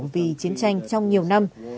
vì chiến tranh trong nhiều năm